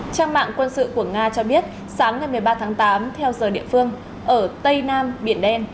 trang mạng quân sự của nga cho biết sáng ngày một mươi ba tháng tám theo giờ địa phương ở tây nam biển đen